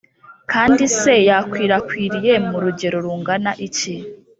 kandi se yakwirakwiriye mu rugero rungana iki?